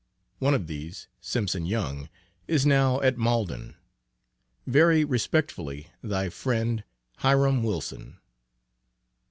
One of these, Simpson Young, is now at Malden. Very respectfully, thy friend, HIRAM WILSON.